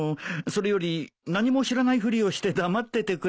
それより何も知らないふりをして黙っててくれよ。